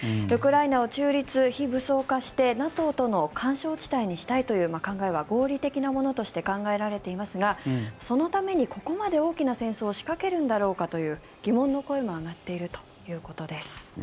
ウクライナを中立・非武装化してＮＡＴＯとの緩衝地帯にしたいという考えは合理的なものとして考えられていますがそのためにここまで大きな戦争を仕掛けるんだろうかという疑問の声も上がっているということです。